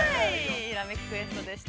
◆「ひらめきクエスト」でした。